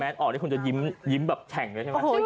อ๋อนี่คุณจะยิ้มแบบแข่งเลยใช่มั้ย